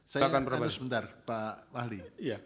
saya ingin bertanya sebentar pak ahli